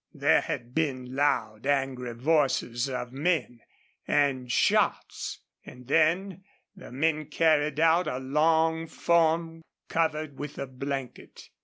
There had been loud, angry voices of men and shots and then the men carried out a long form covered with a blanket.